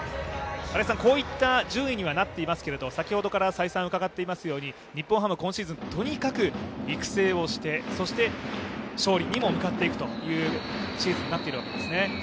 こういった順位にはなっていますけれど、日本ハム、今シーズンはとにかく育成をして、そして勝利にも向かっていくというシーズンになっているわけですよね。